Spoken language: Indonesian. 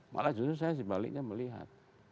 malah justru saya sebaliknya melihat